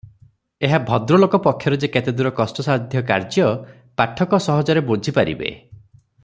ଏହା ଭଦ୍ରଲୋକ ପକ୍ଷରେ ଯେ କେତେଦୂର କଷ୍ଟସାଧ୍ୟ କାର୍ଯ୍ୟ, ପାଠକ ସହଜରେ ବୁଝି ପାରିବେ ।